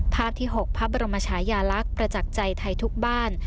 ที่๖พระบรมชายาลักษณ์ประจักษ์ใจไทยทุกบ้าน